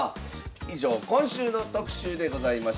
以上今週の特集でございました。